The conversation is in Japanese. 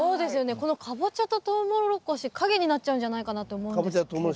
このカボチャとトウモロコシ陰になっちゃうんじゃないかなって思うんですけど。